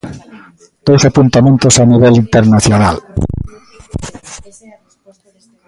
Dous apuntamentos a nivel internacional.